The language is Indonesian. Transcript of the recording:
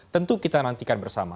tentu kita nantikan bersama